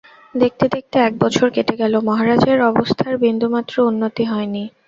দেখতে দেখতে এক বছর কেটে গেল, মহারাজের অবস্থার বিন্দুমাত্র উন্নতি হয়নি।